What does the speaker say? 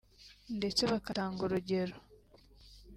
ndetse bakanatanga urugero